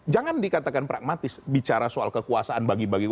jangan dikatakan pragmatis bicara soal kekuasaan bagi bagi